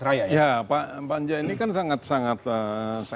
kedua duanya dan adalah